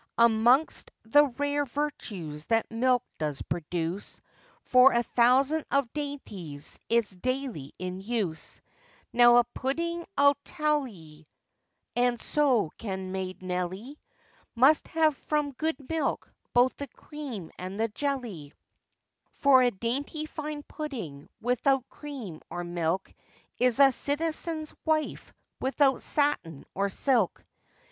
Amongst the rare virtues that milk does produce, For a thousand of dainties it's daily in use: Now a pudding I'll tell 'ee, And so can maid Nelly, Must have from good milk both the cream and the jelly: For a dainty fine pudding, without cream or milk, Is a citizen's wife, without satin or silk.